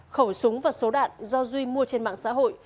khẩu súng và số đạn do duy mua trên mạng xã hội